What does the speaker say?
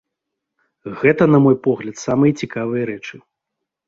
Гэта, на мой погляд, самыя цікавыя рэчы.